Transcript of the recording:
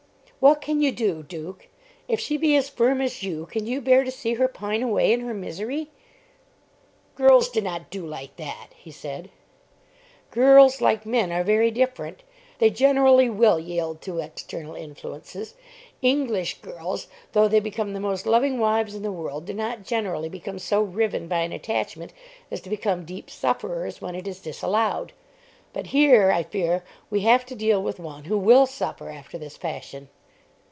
"What can you do, Duke? If she be as firm as you, can you bear to see her pine away in her misery?" "Girls do not do like that," he said. "Girls, like men, are very different. They generally will yield to external influences. English girls, though they become the most loving wives in the world, do not generally become so riven by an attachment as to become deep sufferers when it is disallowed. But here, I fear, we have to deal with one who will suffer after this fashion."